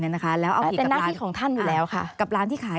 เอาไปดูแล้วเอาให้กับร้านที่ขาย